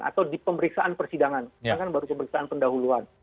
atau di pemeriksaan persidangan kan baru pemeriksaan pendahuluan